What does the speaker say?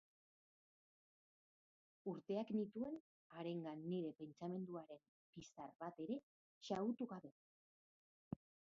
Urteak nituen harengan nire pentsamenduaren pizar bat ere xahutu gabe.